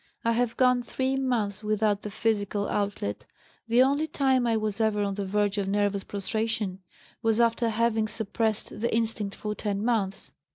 I have gone three months without the physical outlet. The only time I was ever on the verge of nervous prostration was after having suppressed the instinct for ten months.